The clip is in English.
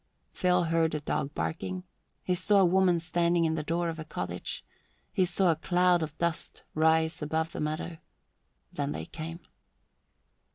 Phil heard a dog barking; he saw a woman standing in the door of a cottage; he saw a cloud of dust rise above the meadow; then they came.